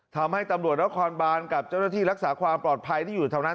ทำให้ตำรวจนครบานกับเจ้าหน้าที่รักษาความปลอดภัยที่อยู่แถวนั้น